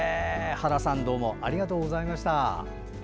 原さん、ありがとうございました。